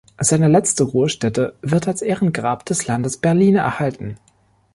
Seine letzte Ruhestätte wird als Ehrengrab des Landes Berlin erhalten.